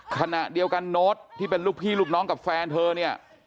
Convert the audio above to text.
ขณะเดียวกันโน้ตที่เป็นลูกพี่ลูกน้องกับแฟนเธอเนี่ย